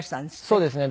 そうですね。